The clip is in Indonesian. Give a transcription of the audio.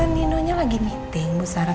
ninonya lagi meeting bu sarah